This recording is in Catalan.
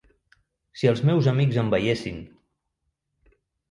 Si els meus amics em veiessin!